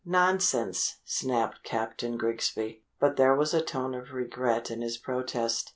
"Nonsense!" snapped Captain Grigsby but there was a tone of regret in his protest.